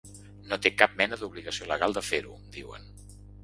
No té cap mena d’obligació legal de fer-ho –diuen–.